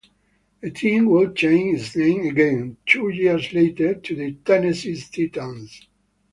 The team would change its name again, two years later, to the Tennessee Titans.